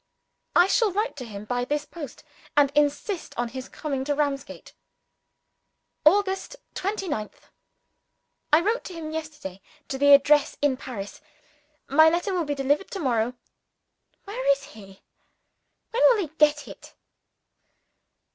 I shall write to him by this post, and insist on his coming to Ramsgate. August 29th. I wrote to him yesterday, to the address in Paris. My letter will be delivered to morrow. Where is he? when will he get it?